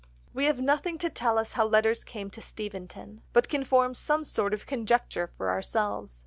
We have nothing to tell us how letters came to Steventon, but can form some sort of conjecture for ourselves.